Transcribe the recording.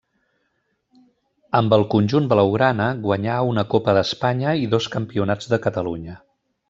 Amb el conjunt blaugrana guanyà una Copa d'Espanya i dos campionats de Catalunya.